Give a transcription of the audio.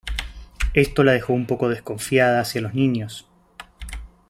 Esto la dejó un poco desconfiada hacia los niños.